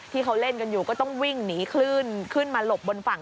ที่เขาเล่นกันอยู่ก็ต้องวิ่งหนีคลื่นขึ้นมาหลบบนฝั่ง